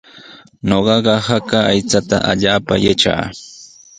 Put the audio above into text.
Ñuqaqa haka aychata allaapaami yatraa.